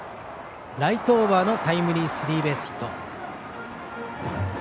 ライトオーバーのタイムリースリーベースヒット。